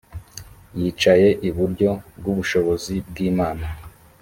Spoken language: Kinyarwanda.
yicaye iburyo bw ubushobozi bw imana